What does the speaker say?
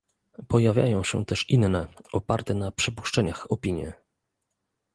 Pojawiają się też inne, oparte na przypuszczeniach, opinie